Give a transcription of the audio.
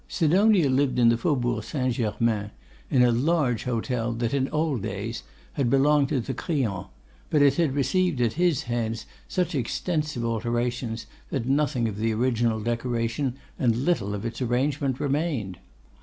Sidonia lived in the Faubourg St. Germain, in a large hotel that, in old days, had belonged to the Crillons; but it had received at his hands such extensive alterations, that nothing of the original decoration, and little of its arrangement, remained.